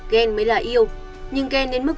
ghen mới là yêu nhưng ghen đến mức